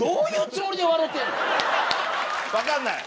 分かんない。